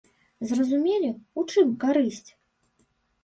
Зразумелі, у чым карысць?